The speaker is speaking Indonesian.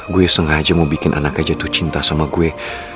gue sengaja mau bikin anaknya jatuh cinta sama gue